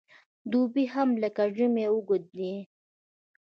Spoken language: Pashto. دوبی هم لکه ژمی اوږد دی .